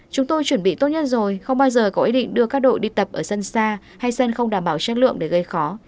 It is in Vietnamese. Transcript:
chúng tôi chuẩn bị tốt nhất rồi không bao giờ có ý định đưa các đội đi tập ở sân xa hay sân không đảm bảo chất lượng để gây khó